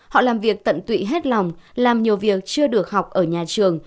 họ làm việc tận tụy hết lòng làm nhiều việc chưa được học ở nhà trường